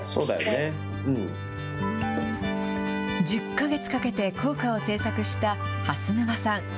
１０か月かけて校歌を制作した蓮沼さん。